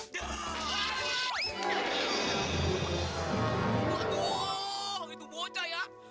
jadi pengen punya lagi ya